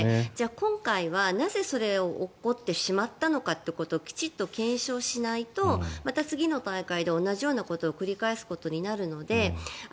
今回はなぜ、それが起こってしまったのかということをきちっと検証しないとまた次の大会で同じようなことを繰り返すことになるので。